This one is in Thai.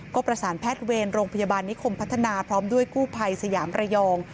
ก็ประสานแพทย์เวรโรงพยาบาลนิคมพัฒนาพร้อมด้วยกู้ภัยสยามระยอง